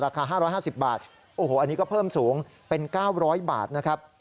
ราคา๕๕๐บาทโอ้โหอันนี้ก็เพิ่มสูงเป็น๙๐๐บาทนะครับ